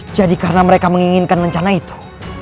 jadi karena mereka menginginkan rencana itu